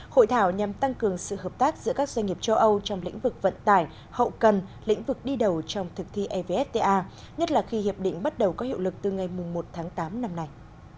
hội thảo nhằm tăng cường sự hợp tác giữa các doanh nghiệp châu âu trong lĩnh vực vận tải hậu cần lĩnh vực đi đầu trong thực thi evfta nhất là khi hiệp định bắt đầu có hiệu lực từ ngày một tháng tám năm nay